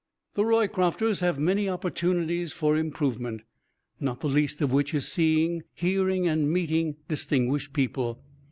The Roycrofters have many opportunities for improvement not the least of which is the seeing, hearing and meeting distinguished people.